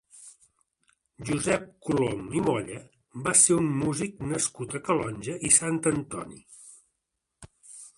Josep Colom i Molla va ser un músic nascut a Calonge i Sant Antoni.